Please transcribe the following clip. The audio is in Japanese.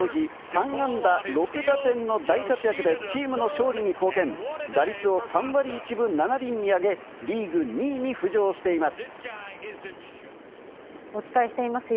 その後、９回にもヒットを放ち、この日、３安打６打点の大活躍でチームの勝利に貢献、打率を３割１分７厘に上げ、リーグ２位に浮上しています。